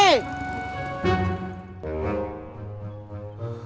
ya udah deh